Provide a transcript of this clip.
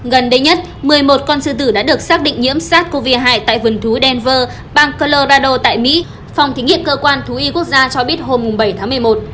gần đây nhất một mươi một con sư tử đã được xác định nhiễm sars cov hai tại vườn thú delver bang colorado tại mỹ phòng thí nghiệm cơ quan thú y quốc gia cho biết hôm bảy tháng một mươi một